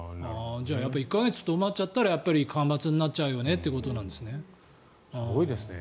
じゃあ１か月とどまったら干ばつになっちゃうよねということなんですね。